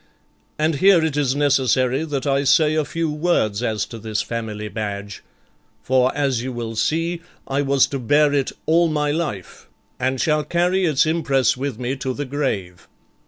And here it is necessary that I say a few words as to this family badge; for, as you will see, I was to bear it all my life, and shall carry its impress with me to the grave.